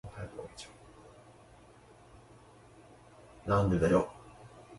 エステルイェータランド県の県都はリンシェーピングである